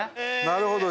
なるほど。